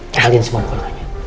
cahalin semua dokternya